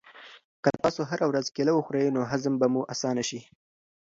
که تاسو هره ورځ کیله وخورئ نو هضم به مو اسانه شي.